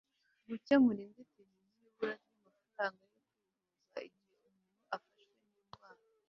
gukemura inzitizi z'ibura ry'amafaranga yo kwivuza igihe umuntu afashwe n'indwara